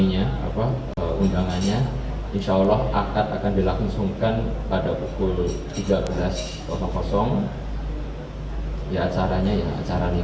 ya acaranya ya acara nikah apalagi